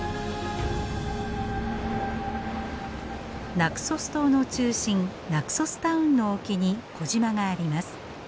ナクソス島の中心ナクソスタウンの沖に小島があります。